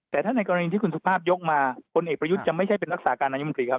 แต่ถ้าในกรณีที่คุณสุภาพยกมาพลเอกประยุทธ์จะไม่ใช่เป็นรักษาการนายมนตรีครับ